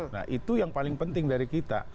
nah itu yang paling penting dari kita